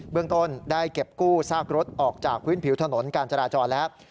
เรื่องต้นได้เก็บกู้ซากรถออกจากพื้นผิวถนนการจราจรแล้ว